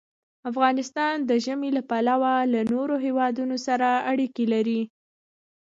افغانستان د ژمی له پلوه له نورو هېوادونو سره اړیکې لري.